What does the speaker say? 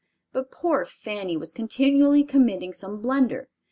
But poor Fanny was continually committing some blunder.